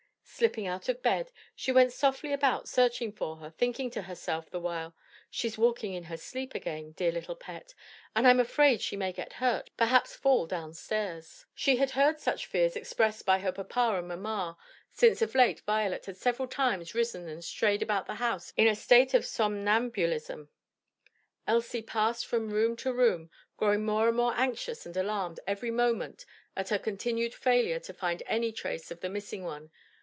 Slipping out of bed, she went softly about searching for her, thinking to herself the while, "She's walking in her sleep again, dear little pet, and I'm afraid she may get hurt; perhaps fall down stairs." She had heard such fears expressed by her papa and mamma since of late Violet had several times risen and strayed about the house in a state of somnambulism. Elsie passed from room to room growing more and more anxious and alarmed every moment at her continued failure to find any trace of the missing one.